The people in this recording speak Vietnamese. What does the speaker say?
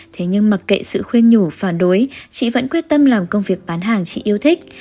thế nhưng mặc kệ sự khuyên nhủ phản đối chị vẫn quyết tâm làm công việc bán hàng chị yêu thích